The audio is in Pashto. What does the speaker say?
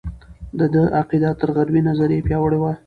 د دې عقیده تر غربي نظریې پیاوړې وه.